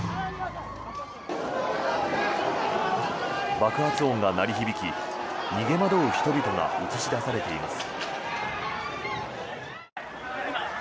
爆発音が鳴り響き逃げ惑う人々が映し出されています。